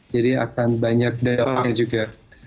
jadi akan banyak dampaknya juga